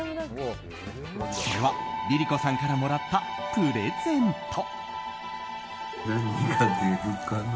それは、ＬｉＬｉＣｏさんからもらったプレゼント。